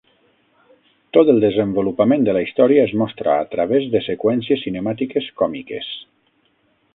Tot el desenvolupament de la història es mostra a través de seqüències cinemàtiques còmiques.